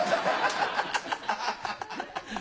アハハハ！